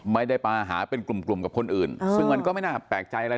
ไม่ได้มาหาเป็นกลุ่มกลุ่มกับคนอื่นซึ่งมันก็ไม่น่าแปลกใจอะไร